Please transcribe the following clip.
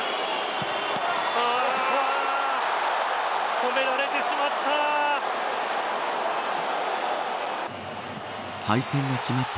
止められてしまった。